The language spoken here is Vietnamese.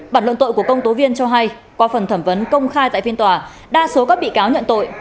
bản luận tội của công tố viên cho hay qua phần thẩm vấn công khai tại phiên tòa đa số các bị cáo nhận tội